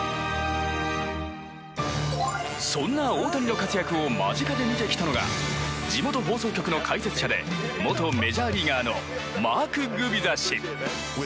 そんな大谷の活躍を間近で見てきたのが地元放送局の解説者で元メジャーリーガーのマーク・グビザ氏。